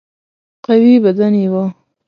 قوي بدن یې وو.